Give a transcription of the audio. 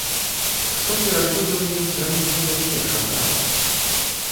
Што перашкодзіла ім зрабіць гэта з першага разу?